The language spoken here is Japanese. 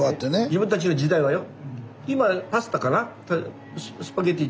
自分たちの時代はよ。